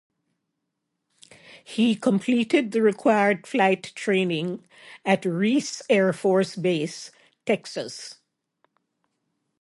He completed the required flight training at Reese Air Force Base, Texas.